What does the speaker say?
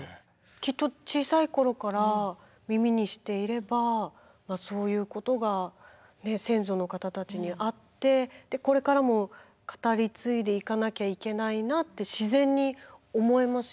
きっと小さい頃から耳にしていればそういうことが先祖の方たちにあってでこれからも語り継いでいかなきゃいけないなって自然に思えますよね。